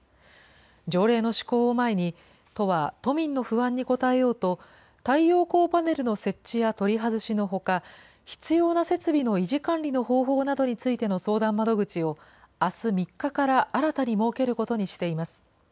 条例の施行を前に、都は都民の不安に応えようと、太陽光パネルの設置や取り外しのほか、必要な設備の維持管理の方法などについての相談窓口を、あす３日から新たに設けることにしています。